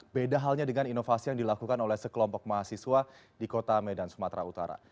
beda halnya dengan inovasi yang dilakukan oleh sekelompok mahasiswa di kota medan sumatera utara